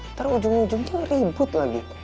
ntar ujung ujungnya ribut lagi